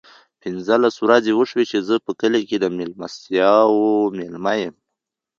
پینځلس ورځې وشوې چې زه په کلي کې د مېلمستیاوو مېلمه یم.